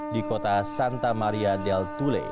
di kota santa maria del tule